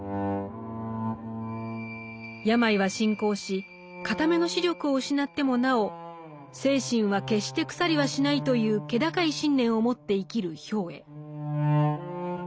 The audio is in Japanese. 病は進行し片目の視力を失ってもなお「精神は決して腐りはしない」という気高い信念を持って生きる兵衛。